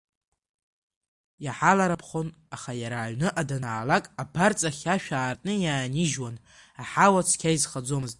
Иалаҳарԥхон, аха иара аҩныҟа данаалак, абарҵахь ашә аартны иаанижьуан аҳауа цқьа изхаӡомызт.